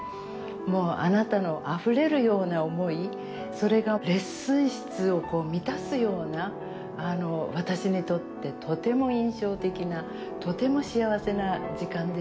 もうあなたの溢れるような思いそれがレッスン室をこう満たすような私にとってとても印象的なとても幸せな時間でした。